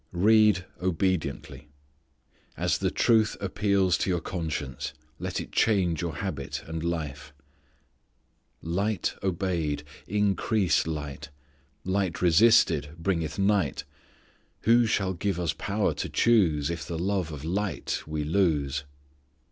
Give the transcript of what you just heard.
Read obediently. As the truth appeals to your conscience let it change your habit and life. "Light obeyed, increased light: Light resisted, bringeth night Who shall give us power to choose If the love of light we lose?"